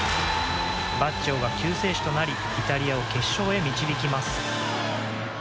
バッジョが救世主となりイタリアを決勝へ導きます。